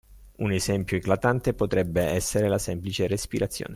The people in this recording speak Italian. Un esempio eclatante potrebbe essere la semplice respirazione.